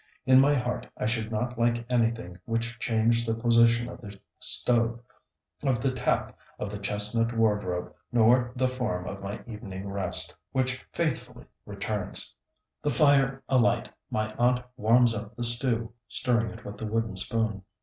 In my heart I should not like anything which changed the position of the stove, of the tap, of the chestnut wardrobe, nor the form of my evening rest, which faithfully returns. The fire alight, my aunt warms up the stew, stirring it with the wooden spoon.